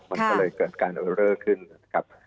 มันก็เลยเกิดการโอเลอร์ขึ้นนะครับ